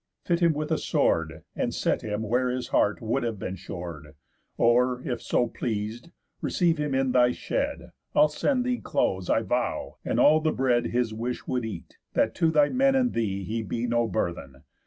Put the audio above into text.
Fit him with a sword, And set him where his heart would have been shor'd; Or, if so pleas'd, receive him in thy shed, I'll send thee clothes, I vow, and all the bread His wish would eat, that to thy men and thee He be no burthen.